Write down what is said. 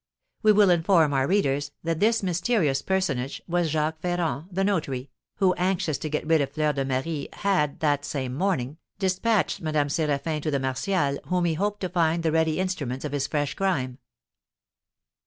We will inform our readers that this mysterious personage was Jacques Ferrand, the notary, who, anxious to get rid of Fleur de Marie, had, that same morning, despatched Madame Séraphin to the Martials, whom he hoped to find the ready instruments of his fresh crime.